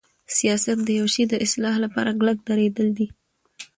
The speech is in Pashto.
سیاست د یوشی د اصلاح لپاره کلک دریدل دی.